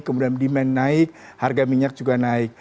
kemudian demand naik harga minyak juga naik